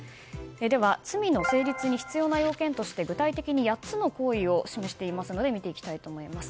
では、罪の成立に必要な要件として具体的に８つの行為を示しているので見ていきたいと思います。